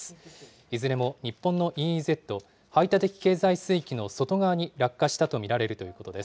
いずれも日本のＥＥＺ・排他的経済水域の外側に落下したと見られるということです。